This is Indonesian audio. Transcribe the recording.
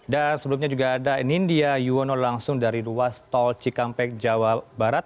dan sebelumnya juga ada nindia yuwono langsung dari ruas tol cikampek jawa barat